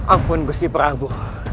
ampun gusti prabu